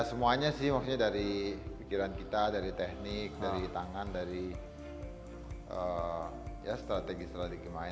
semuanya sih maksudnya dari pikiran kita dari teknik dari tangan dari strategi strategi lain